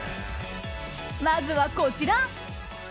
まずは、こちら。